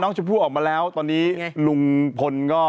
ชมพู่ออกมาแล้วตอนนี้ลุงพลก็